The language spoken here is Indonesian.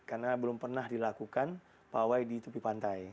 karena belum pernah dilakukan pawai di tepi pantai